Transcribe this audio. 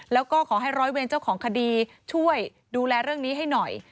แล้วก็ขอให้ร้อยเวรเจ้าของคดีช่วยดูแลเรื่องนี้ให้หน่อย